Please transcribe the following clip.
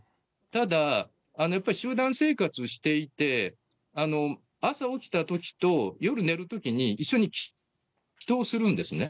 ただ、やっぱり集団生活していて、朝起きたときと、夜寝るときに、一緒に祈とうするんですね。